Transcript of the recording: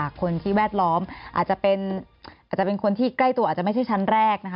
คนที่แวดล้อมอาจจะเป็นคนที่ใกล้ตัวอาจจะไม่ใช่ชั้นแรกนะคะ